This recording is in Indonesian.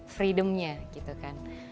freedomnya gitu kan